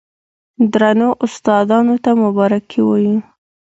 درنو استادانو ته مبارکي وايو،